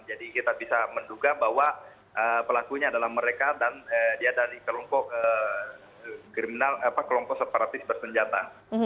jadi kita bisa menduga bahwa pelakunya adalah mereka dan dia dari kelompok separatis bersenjata